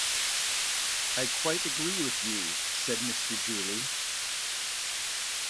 "I quite agree with you," said Mr. Julie.